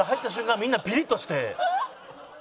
みんなピリッとして。